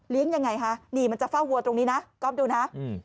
เลี้ยงอย่างไรฮะนี่มันจะเฝ้าวัวตรงนี้นะกรอบดูนะ